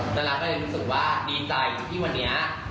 ตอนนั้นก็เลยรู้สึกว่าดีใจที่วันนี้